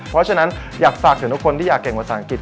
เพราะฉะนั้นอยากฝากถึงทุกคนที่อยากเก่งภาษาอังกฤษ